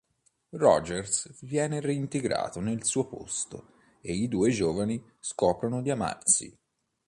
Rogers viene reintegrato nel suo posto e i due giovani scoprono di amarsi.